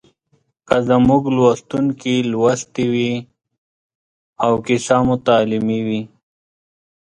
که زموږ لوستونکي لوستې وي او کیسه مو تعلیمي وي